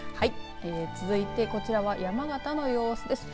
続いてこちらは山形の様子です。